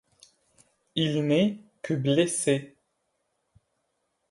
Il n’est que blessé.